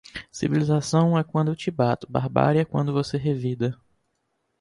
Civilização é quando eu te bato, barbárie é quando você revida